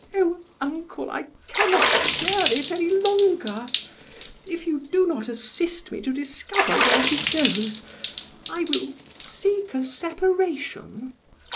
Oh, uncle, I cannot bear it any longer! If you do not assist me to discover where he goes, I will seek a separation."